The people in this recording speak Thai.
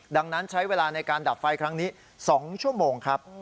ดังนั้นใช้เวลาในการดับไฟครั้งนี้๒ชั่วโมงครับ